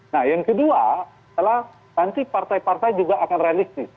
nah yang kedua adalah nanti partai partai juga akan realistis